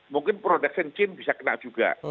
mungkin production chain bisa kena juga